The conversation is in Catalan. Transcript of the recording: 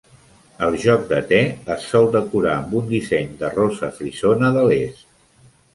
El joc de te es sol decorar amb un disseny de rosa frisona de l"est.